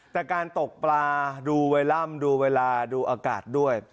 แต่การตกปลาดูไวร่ำเดี๋ยวไวรอากาศด้วย